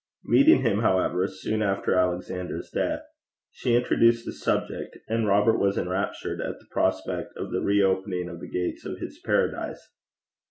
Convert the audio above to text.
Meeting him, however, soon after Alexander's death, she introduced the subject, and Robert was enraptured at the prospect of the re opening of the gates of his paradise.